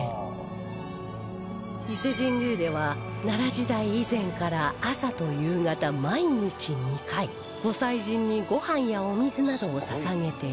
伊勢神宮では奈良時代以前から朝と夕方毎日２回御祭神に御飯や御水などを捧げています